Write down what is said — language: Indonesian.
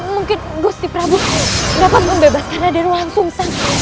mungkin gusti prabu dapat membebaskan raden langsung saja